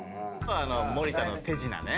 森田の手品ね。